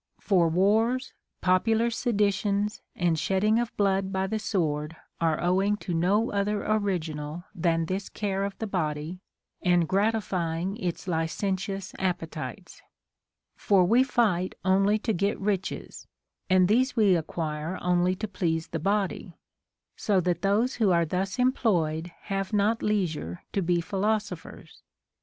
For wars, popular seditions, and shedding of blood by the sword are owing to no other original than this care of the body and gratifying its licen tious appetites ; for we fight only to get riches, and these 312 CONSOLATION TO APOLLONIUS. we acquire only to please the body ; so that those who are thus employed have not leisure to be philosophers.